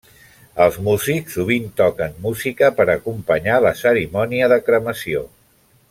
Els músics sovint toquen música per acompanyar la cerimònia de cremació.